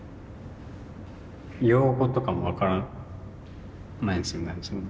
用語とかも分からないですよね